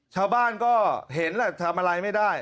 ชาวบ้านก็เห็นแหละทำอะไรไม่ได้